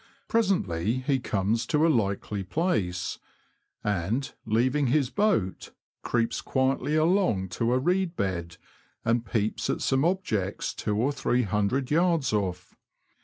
Presently he comes to a likely place, and, leaving his boat, creeps quietly along to a reed bed, and peeps at some objects two or three hundred yards off.